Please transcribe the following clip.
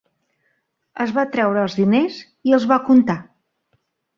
Es va treure els diners i els va contar.